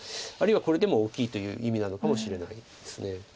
あるいはこれでも大きいという意味なのかもしれないです。